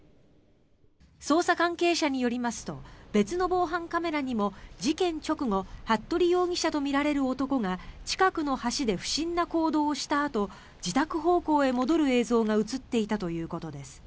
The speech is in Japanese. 捜査関係者によりますと別の防犯カメラにも事件直後服部容疑者とみられる男が近くの橋で不審な行動をしたあと自宅方向へ戻る映像が映っていたということです。